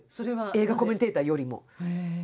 映画コメンテーターよりも。